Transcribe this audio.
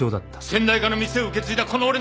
先代から店を受け継いだこの俺の。